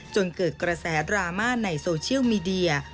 จนเกิดกระแสดราม่าในโซเชียลมีเดีย